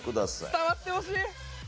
伝わってほしい！